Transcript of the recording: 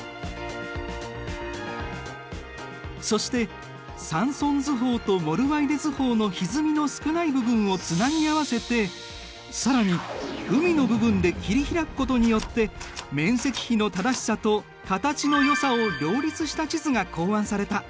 そしてサンソン図法とモルワイデ図法のひずみの少ない部分をつなぎ合わせて更に海の部分で切り開くことによって面積比の正しさと形のよさを両立した地図が考案された。